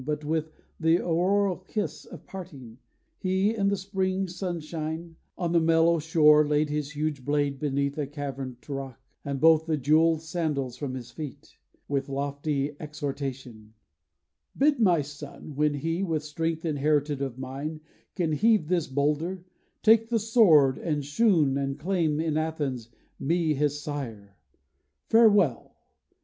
But with the auroral kiss of parting, he In the spring sunshine, on the mellow shore Laid his huge blade beneath a caverned rock, And both the jewelled sandals from his feet, With lofty exhortation: 'Bid my son, When he, with strength inherited of mine Can heave this boulder, take the sword and shoon, And claim in Athens me his sire. Farewell!